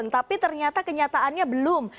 tapi ternyata kenyataannya belum